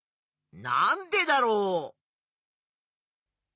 なんでだろう？